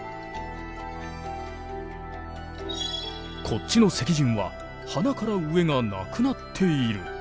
こっちの石人は鼻から上がなくなっている。